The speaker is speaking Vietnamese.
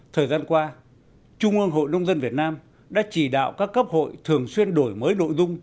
thời gian qua trung ương hội nông dân việt nam đã chỉ đạo các cấp hội thường xuyên đổi mới nội dung